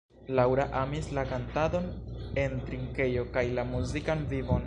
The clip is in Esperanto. Laura amis la kantadon en drinkejo kaj la muzikan vivon.